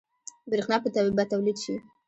برښنا به تولید شي؟